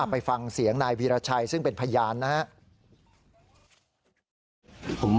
ไปฟังเสียงนายวีรชัยซึ่งเป็นพยานนะครับ